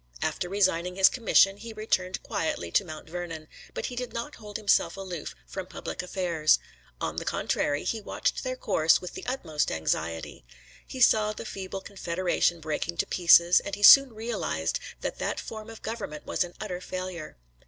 After resigning his commission he returned quietly to Mount Vernon, but he did not hold himself aloof from public affairs. On the contrary, he watched their course with the utmost anxiety. He saw the feeble Confederation breaking to pieces, and he soon realized that that form of government was an utter failure.